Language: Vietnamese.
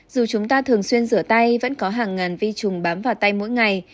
dù chúng ta thường xuyên rửa tay vẫn có hàng ngàn vi trùng bám vào tay mỗi ngày